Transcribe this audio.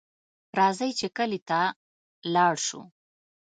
راځئ چې کلي ته لاړ شو